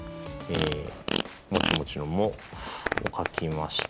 もちもちの「も」を書きまして。